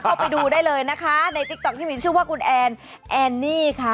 เข้าไปดูได้เลยนะคะในติ๊กต๊อกที่มีชื่อว่าคุณแอนแอนนี่ค่ะ